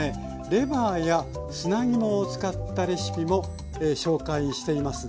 レバーや砂肝を使ったレシピも紹介しています。